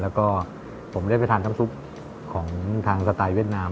แล้วก็ผมได้ไปทานน้ำซุปของทางสไตล์เวียดนาม